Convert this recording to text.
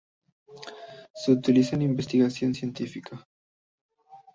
Se utiliza en investigación científica.